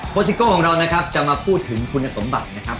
ซิโก้ของเรานะครับจะมาพูดถึงคุณสมบัตินะครับ